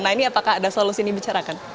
nah ini apakah ada solusi yang dibicarakan